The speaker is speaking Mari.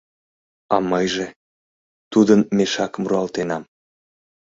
А мыйже... тудын мешакым руалтенам.